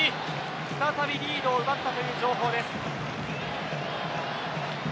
再びリードを奪ったという情報です。